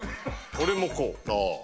俺もこう。